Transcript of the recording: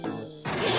え！？